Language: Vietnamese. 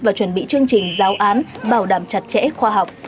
và chuẩn bị chương trình giáo án bảo đảm chặt chẽ khoa học